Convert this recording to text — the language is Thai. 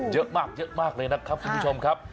เยอะมากเลยนะครับคุณผู้ชมครับ